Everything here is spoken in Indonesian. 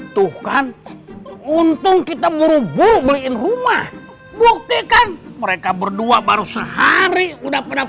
tuhkan untung kita buru buru beliin rumah buktikan mereka berdua baru sehari udah pada